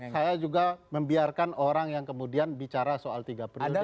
saya juga membiarkan orang yang kemudian bicara soal tiga periode